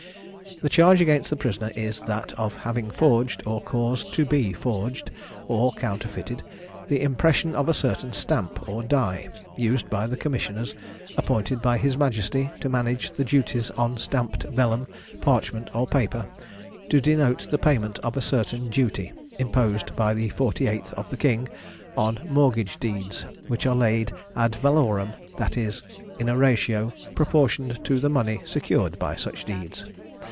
The charge against the prisoner is that of having forged, or caused to be forged, or counterfeited, the impression of a certain stamp or die, used by the commissioners (appointed by his Majesty, to manage the duties on stamped vellum, parchment, or paper) to denote the payment of a certain duty, imposed by the 48th of the King, on mortgage deeds, which are laid ad valorem, that is, in a ratio proportioned to the money secured by such deeds.